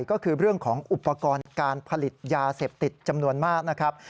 ก็คือเรื่องของอุปกรณ์การผลิตยาเสพติดจำนวนมากนะครับ